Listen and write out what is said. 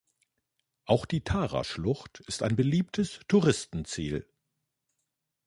Auch die Tara-Schlucht ist ein beliebtes Touristenziel.